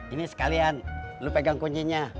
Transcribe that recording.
ini sekalian lu pegang kuncinya